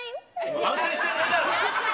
反省してないだろ！